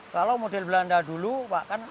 kalau model belanda dulu pak kan